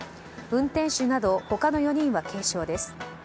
運転手など他の４人は軽傷です。